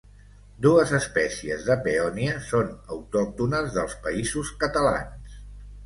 Dues espècies de peònia són autòctones dels Països Catalans.